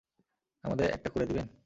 আমাদের একটা করে দিবেন?